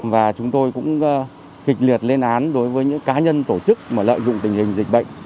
và chúng tôi cũng kịch liệt lên án đối với những cá nhân tổ chức lợi dụng tình hình dịch bệnh